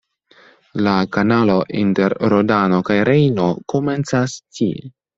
La kanalo inter Rodano kaj Rejno komencas tie.